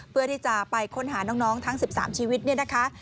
เพื่อที่จะไปค้นหาน้องทั้ง๑๓ชีวิตเนี่ยนะคะ